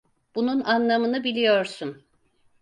Bunun anlamını biliyorsun.